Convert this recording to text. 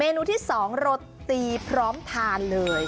นูที่๒โรตีพร้อมทานเลย